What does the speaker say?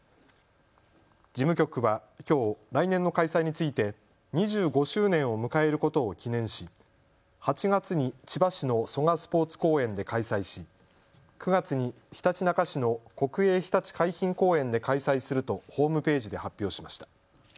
事務局はきょう来年の開催について２５周年を迎えることを記念し８月に千葉市の蘇我スポーツ公園で開催し９月にひたちなか市の国営ひたち海浜公園で開催するとホームページで発表しました。